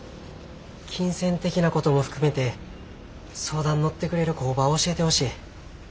金銭的なことも含めて相談乗ってくれる工場教えてほしい。